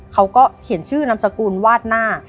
เขาก็เขียนชื่อนามสกุลวาดหน้า